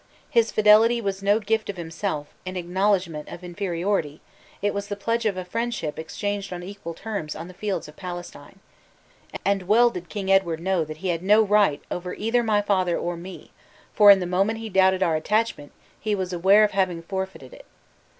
His fidelity was no gift of himself, in acknowledgment of inferiority; it was the pledge of a friendship exchanged on equal terms on the fields of Palestine. And well did King Edward know that he had no right over either my father or me; for in the moment he doubted our attachment, he was aware of having forfeited it.